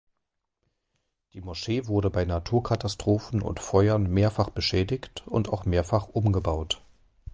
Die Moschee wurde bei Naturkatastrophen und Feuern mehrfach beschädigt und auch mehrfach umgebaut.